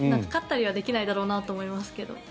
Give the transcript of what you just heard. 飼ったりはできないだろうなと思いますけど。